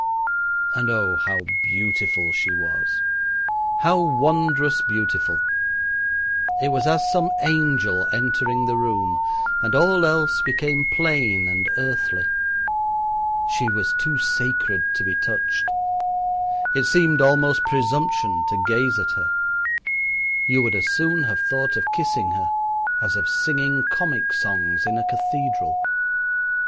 And oh, how beautiful she was, how wondrous beautiful! It was as some angel entering the room, and all else became plain and earthly. She was too sacred to be touched. It seemed almost presumption to gaze at her. You would as soon have thought of kissing her as of singing comic songs in a cathedral.